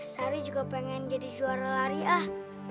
sari juga pengen jadi juara lari ah